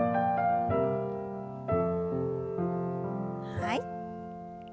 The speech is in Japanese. はい。